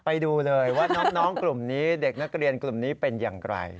ไปดูเลยว่าน้องกลุ่มนี้เด็กนักเรียนกลุ่มนี้เป็นอย่างไร